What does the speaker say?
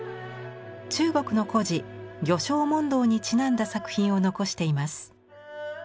中国の故事「漁樵問答」にちなんだ作品を残しています。